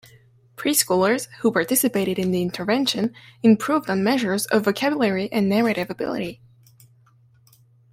Preschoolers who participated in the intervention improved on measures of vocabulary and narrative ability.